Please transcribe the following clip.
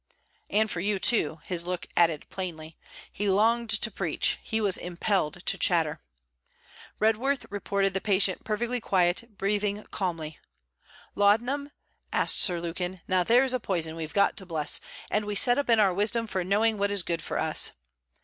And for you too! his look added plainly. He longed to preach; he was impelled to chatter. Redworth reported the patient perfectly quiet, breathing calmly. 'Laudanum?' asked Sir Lukin. 'Now there's a poison we've got to bless! And we set up in our wisdom for knowing what is good for us!'